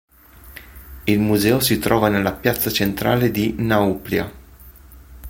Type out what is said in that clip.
Il museo si trova nella piazza centrale di Nauplia.